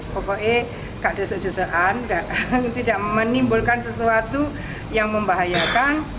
pokoknya tidak ada sedesaan tidak menimbulkan sesuatu yang membahayakan